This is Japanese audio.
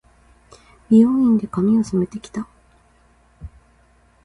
美容院で、髪を染めて来た。